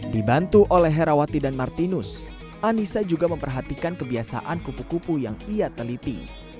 dibantu oleh herawati dan martinus anissa juga memperhatikan kebiasaan kupu kupu yang ia teliti